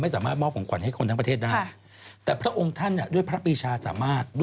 สามารถมอบของขวัญให้คนทั้งประเทศได้แต่พระองค์ท่านด้วยพระปีชาสามารถด้วย